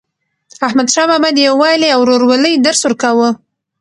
احمدشاه بابا د یووالي او ورورولۍ درس ورکاوه.